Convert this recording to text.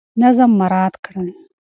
نظم مراعات کړئ.